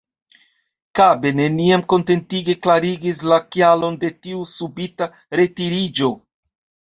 Kabe neniam kontentige klarigis la kialon de tiu subita retiriĝo.